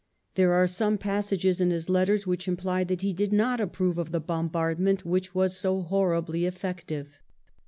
There are some passages in his letters which imply that he did not approve of the bombard ment, which was so horribly effective.